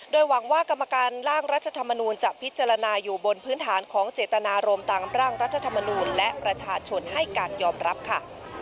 โดยหวังว่ากรรมการร่างรัฐธรรมนูลจะพิจารณาอยู่บนพื้นฐานของเจตนารมณ์ตามร่างรัฐธรรมนูลและประชาชนให้การยอมรับค่ะ